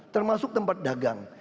termasuk tempat dagang